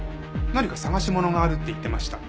何か探し物があるって言ってました。